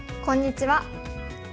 こんにちは。